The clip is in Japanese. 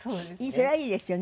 それはいいですよね。